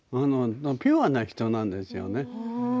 ピュアな人なんですよね。